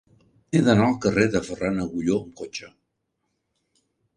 He d'anar al carrer de Ferran Agulló amb cotxe.